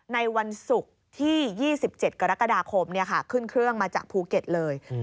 ในวันศุกร์ที่๒๗กรกฎาคมขึ้นเครื่องมาจากภูเก็ตเลย